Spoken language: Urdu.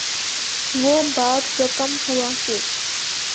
وہ باب رقم ہوا کہ